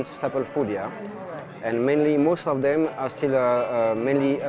dan kebanyakan dari mereka masih tersedia di indonesia